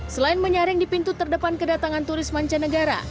selain menyaring di pintu terdepan kedatangan turis mancanegara